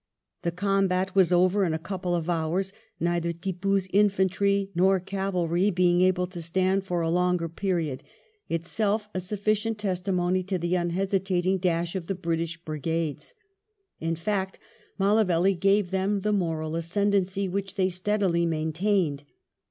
The com bat was over in a couple of hours, neither Tippoo's infantry nor cavalry being able to stand for a longer period, itself a sufficient testimony to the iinhesitating dash of the British brigades. In fact Mallavelly gave them the moral ascendency which they steadily main tained.